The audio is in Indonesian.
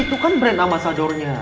itu kan brand amasadornya